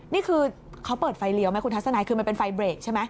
นี่คือเขาเปิดไฟเลี้ยวไหมคุณทัศนายคือมันเป็นไฟเบรกใช่ไหม